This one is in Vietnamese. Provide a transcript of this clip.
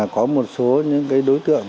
có một số những đối tượng